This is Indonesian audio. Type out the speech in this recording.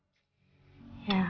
jadi aku mau ngejadang